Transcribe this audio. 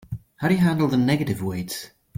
How do you handle the negative weights?